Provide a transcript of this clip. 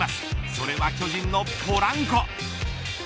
それは巨人のポランコ。